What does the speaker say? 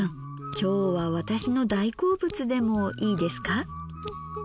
今日は私の大好物でもいいですか。